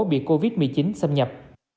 bị covid một mươi chín xâm nhập